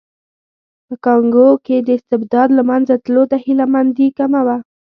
په کانګو کې د استبداد له منځه تلو ته هیله مندي کمه وه.